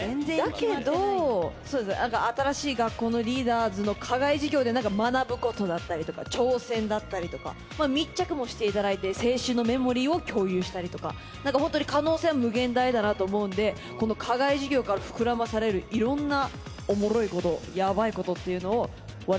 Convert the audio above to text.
だけど『新しい学校のリーダーズの課外授業』でなんか学ぶ事だったりとか挑戦だったりとか密着もして頂いて青春のメモリーを共有したりとかなんかホントに可能性は無限大だなと思うのでこの『課外授業』から膨らまされる色んな。と思います！